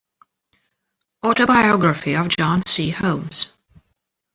Autobiography of John C. Holmes".